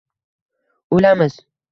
O’lamiz?